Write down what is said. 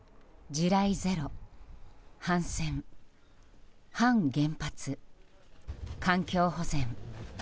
地雷ゼロ、反戦反原発、環境保全。